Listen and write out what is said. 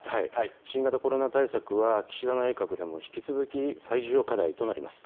新型コロナ対策は、岸田内閣でも引き続き最重要課題となります。